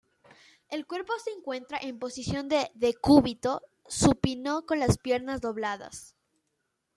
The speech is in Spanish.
El cuerpo se encuentra en posición de decúbito supino con las piernas dobladas.